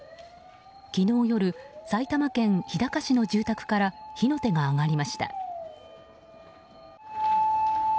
昨日夜、埼玉県日高市の住宅から火の手が上がりました。